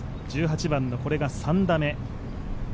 １８番のこれが３打目。